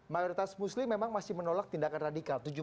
mayoritas muslim memang masih menolak tindakan radikal